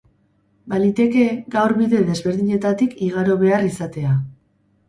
Baliteke gaur bide desberdinetatik igaro behar izatea.